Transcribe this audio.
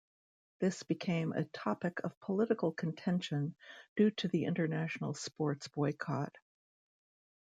This became a topic of political contention due to the international sports boycott.